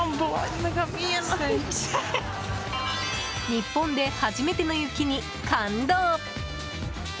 日本で初めての雪に感動！